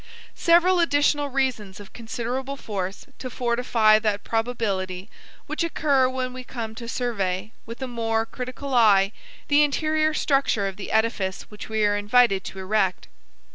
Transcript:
Several additional reasons of considerable force, to fortify that probability, will occur when we come to survey, with a more critical eye, the interior structure of the edifice which we are invited to erect.